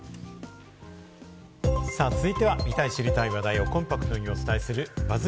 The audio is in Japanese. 続いては、見たい知りたい話題をコンパクトにお伝えするＢＵＺＺ